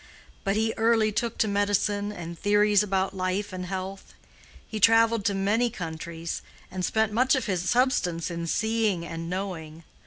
But he early took to medicine and theories about life and health. He traveled to many countries, and spent much of his substance in seeing and knowing.